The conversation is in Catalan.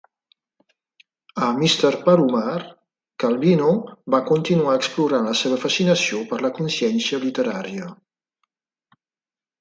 A "Mr. Palomar", Calvino va continuar explorant la seva fascinació per la consciència literària.